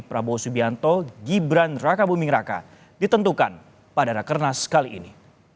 prabowo subianto gibran raka buming raka ditentukan pada rakernas kali ini